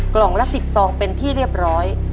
กล่องละ๑๐ซองเป็นที่เรียบร้อย